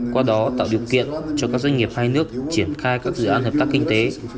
qua đó tạo điều kiện cho các doanh nghiệp hai nước triển khai các dự án hợp tác kinh tế